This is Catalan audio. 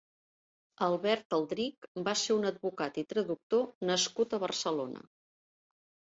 Albert Aldrich va ser un advocat i traductor nascut a Barcelona.